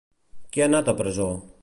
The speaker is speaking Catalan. Qui ha anat a presó?